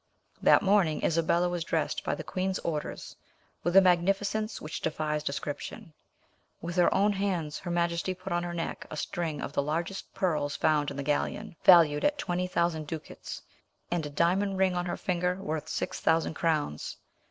That morning Isabella was dressed by the queen's orders with a magnificence which defies description. With her own hands her majesty put on her neck a string of the largest pearls found in the galleon, valued at twenty thousand ducats, and a diamond ring on her finger worth six thousand crowns.